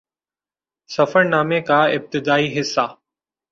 سفر نامے کا ابتدائی حصہ